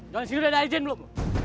jalan sini udah ada izin belum